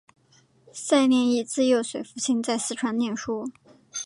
蹇念益自幼随父亲在四川念书。